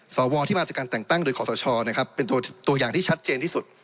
สวที่มาจากการแต่งตั้งโดยขอสชนะครับเป็นตัวอย่างที่ชัดเจนที่สุด